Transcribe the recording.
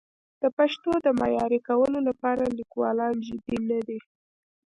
د پښتو د معیاري کولو لپاره لیکوالان جدي نه دي.